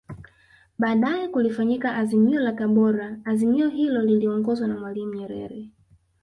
Baadae kulifanyika Azimio la Tabora Azimio hilo liliongozwa na Mwalimu Nyerere